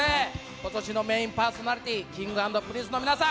ことしのメインパーソナリティー、Ｋｉｎｇ＆Ｐｒｉｎｃｅの皆さん。